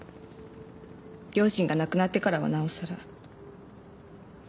両親が亡くなってからはなおさら。